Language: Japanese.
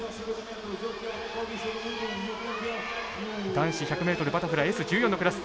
男子１００ｍバタフライＳ１４のクラス。